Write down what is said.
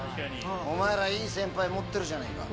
お前らいい先輩持ってるじゃねえか。